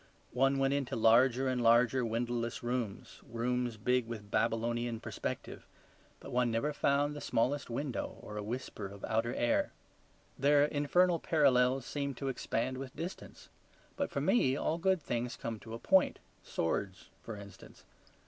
One went into larger and larger windowless rooms, rooms big with Babylonian perspective; but one never found the smallest window or a whisper of outer air. Their infernal parallels seemed to expand with distance; but for me all good things come to a point, swords for instance.